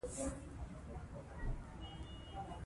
تنخوا میاشت په میاشت نه دریږي.